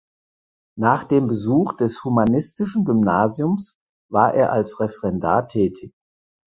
Nach dem Besuch des Humanistischen Gymnasiums war er als Referendar tätig.